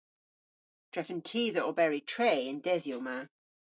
Drefen ty dhe oberi tre y'n dedhyow ma.